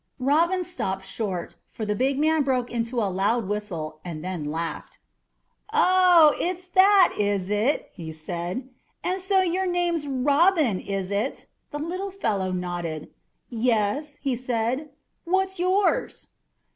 Robin stopped short, for the big man broke out into a loud whistle, and then laughed. "Oh, that's it, is it?" he said; "and so your name's Robin, is it?" The little fellow nodded. "Yes," he said. "What's yours?"